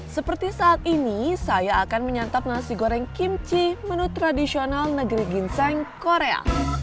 seperti saat ini saya akan menyantap nasi goreng kimchi menu tradisional negeri ginseng korea